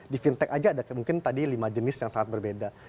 di fintech aja ada mungkin tadi lima jenis yang sangat berbeda